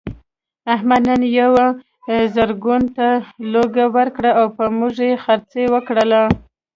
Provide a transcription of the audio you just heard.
احمد نن یوه زرګون ته لوګی ورکړ په موږ یې خرڅه وکړله.